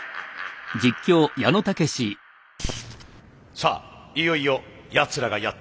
さあいよいよやつらがやって来る。